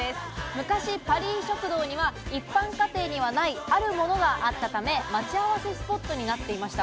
昔、パリー食堂には一般家庭にはないあるものがあったため待ち合わせスポットになっていました。